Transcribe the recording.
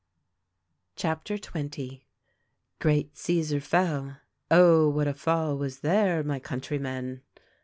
CHAPTER XX. great Caesar fell. Oh, what a fall was there, my countrymen